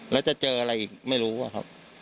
แล้วจะเจออะไรอีกไม่รู้อะครับ